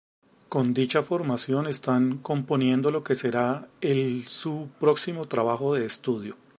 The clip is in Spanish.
Con dicha formación están componiendo lo que será el su próximo trabajo de estudio.